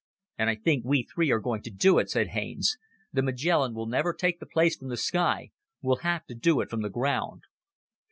"And I think we three are going to do it," said Haines. "The Magellan will never take the place from the sky. We'll have to do it from the ground."